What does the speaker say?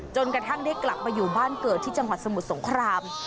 จนกระทั่งได้กลับมาอยู่บ้านเกิดที่จังหวัดสมุทรสงคราม